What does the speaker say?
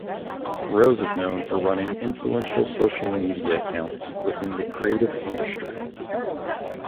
Rose is known for running influential social media accounts within the creative industry.